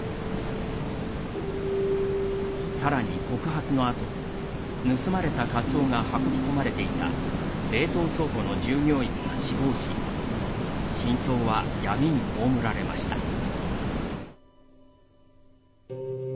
さらに告発のあと盗まれたカツオが運び込まれていた冷凍倉庫の従業員が死亡し真相は闇に葬られました。